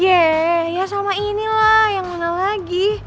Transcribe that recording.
eh ya salma ini lah yang mana lagi